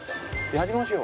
やりましょう！